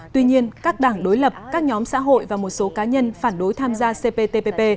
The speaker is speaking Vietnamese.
tuy nhiên các đảng đối lập các nhóm xã hội và một số cá nhân phản đối tham gia cptpp